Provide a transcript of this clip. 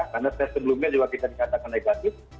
karena tes sebelumnya juga kita dikatakan negatif